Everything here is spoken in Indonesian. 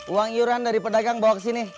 uang iuran dari pedagang bawa kesini